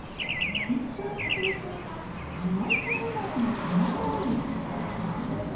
息子の拓海君はハワイ島生まれのコナボーイ。